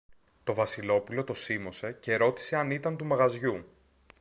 Το Βασιλόπουλο το σίμωσε και ρώτησε αν ήταν του μαγαζιού.